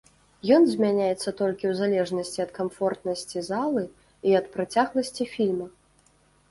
Ён змяняецца толькі ў залежнасці ад камфортнасці залы і ад працягласці фільма.